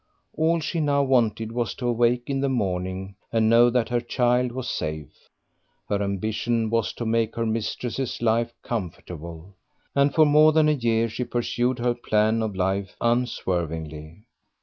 All she now wanted was to awake in the morning and know that her child was safe; her ambition was to make her mistress's life comfortable. And for more than a year she pursued her plan of life unswervingly.